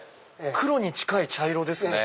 黒に近い茶色ですね。